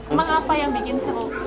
emang apa yang bikin seru